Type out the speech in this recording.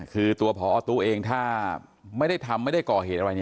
คือตัวพอตู้เองถ้าไม่ได้ทำไม่ได้ก่อเหตุอะไร